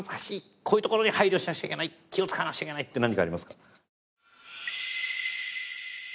こういうところに配慮しなくちゃいけない気を使わなくちゃいけないって何かありますか？